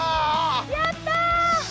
やった！